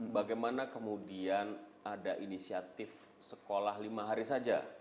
bagaimana kemudian ada inisiatif sekolah lima hari saja